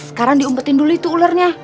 sekarang diumpetin dulu itu ularnya